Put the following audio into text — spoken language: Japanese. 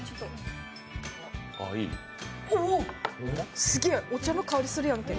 おっ、すげえお茶の香りするやんて。